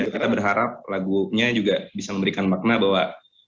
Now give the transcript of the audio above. kita berharap lagunya juga bisa memberikan makna bahwa